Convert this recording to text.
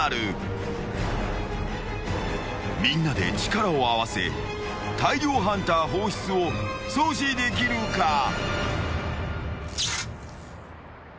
［みんなで力を合わせ大量ハンター放出を阻止できるか？］